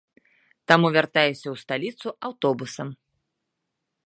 Таму вяртаюся ў сталіцу аўтобусам.